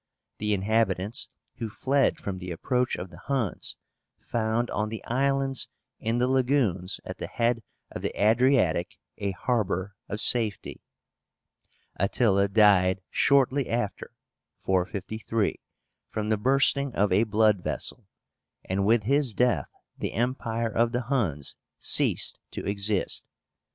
The inhabitants, who fled from the approach of the Huns, found on the islands in the lagoons at the head of the Adriatic a harbor of safety. Attila died shortly after (453) from the bursting of a blood vessel, and with his death the empire of the Huns ceased to exist.